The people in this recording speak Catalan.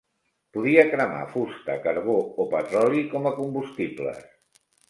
Podia cremar fusta, carbó o petroli com a combustibles.